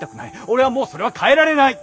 俺はもうそれは変えられない！